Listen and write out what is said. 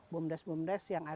bumdes bumdes yang ada